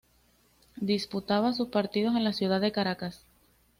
Disputaba sus partidos en la ciudad de Caracas.